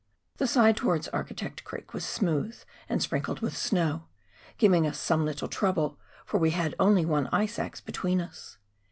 The side towards Architect Creek was smooth and sprinkled with snow, giving us some little trouble, for we only had one ice axe between us.